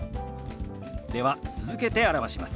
では続けて表します。